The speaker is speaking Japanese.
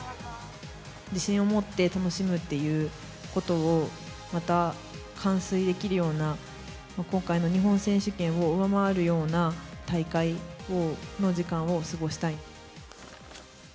自信を持って楽しむっていうことを、また完遂できるような、今回の日本選手権を上回るような大会の時間を過ごしたい。